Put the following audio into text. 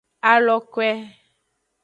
Alokwe.